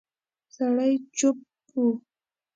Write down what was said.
سړی چوپ و.